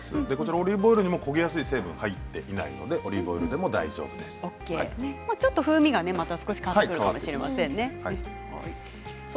オリーブオイルにも焦げやすい成分が入っていないのでちょっと風味がまた変わってくるかもしれませんね。